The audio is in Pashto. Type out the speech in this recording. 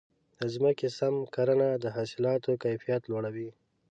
د ځمکې سم کرنه د حاصلاتو کیفیت لوړوي.